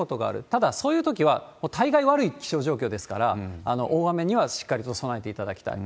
ただ、そういうときは、大概悪い気象状況ですから、大雨にはしっかりと備えていただきたい。